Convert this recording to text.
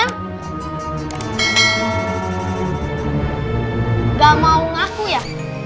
enggak mau ngaku ya